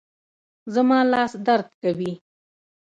زما لاس درد کوي